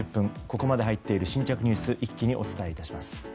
ここまで入っている新着ニュース一気にお伝えいたします。